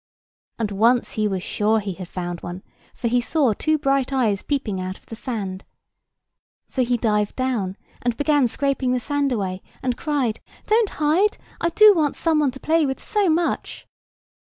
And once he was sure he had found one, for he saw two bright eyes peeping out of the sand. So he dived down, and began scraping the sand away, and cried, "Don't hide; I do want some one to play with so much!"